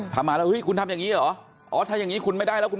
ถ้ามาแล้วคุณทำอย่างนี้เหรอถ้าอย่างนี้คุณไม่ได้แล้ว